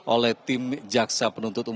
oleh tim jaksa penuntut umum